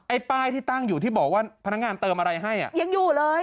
ป้ายที่ตั้งอยู่ที่บอกว่าพนักงานเติมอะไรให้อ่ะยังอยู่เลย